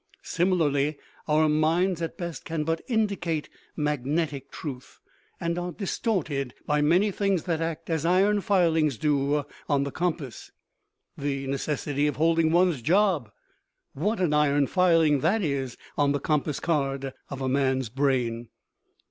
Similarly our minds at best can but indicate magnetic truth, and are distorted by many things that act as iron filings do on the compass. The necessity of holding one's job: what an iron filing that is on the compass card of a man's brain!